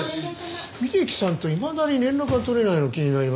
峯木さんといまだに連絡が取れないの気になりますよね。